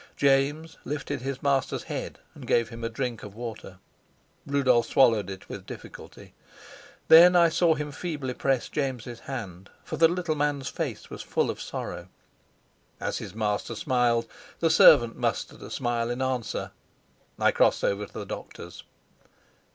James lifted his master's head and gave him a drink of water. Rudolf swallowed it with difficulty. Then I saw him feebly press James's hand, for the little man's face was full of sorrow. As his master smiled the servant mustered a smile in answer. I crossed over to the doctors.